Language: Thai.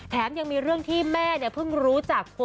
ยังมีเรื่องที่แม่เพิ่งรู้จัก